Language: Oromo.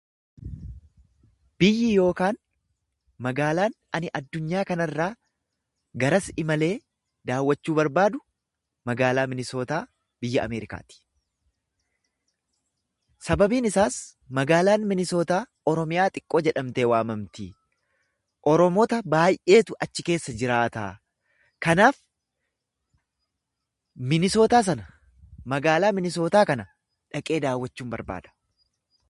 Biyyi yookaan magaalaan ani addunyaa kanarraa garas imalee daawwachuu barbaadu magaalaa Minisootaa biyya Ameerikaati. Sababiin isaas magaalaan Minisootaa Oromiyaa xiqqoo jedhamtee waamamtii, Oromoota baay'eetu achi keessa jiraataa, kanaaf Minisootaa sana, magaalaa Minisootaa kana, dhaqee daawwachuun barbaada.